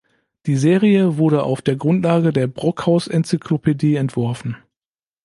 Die Serie wurde auf der Grundlage der Brockhaus Enzyklopädie entworfen.